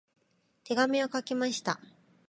手紙を書きました。